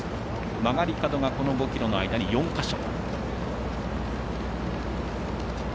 曲がり角が５ｋｍの間に４か所。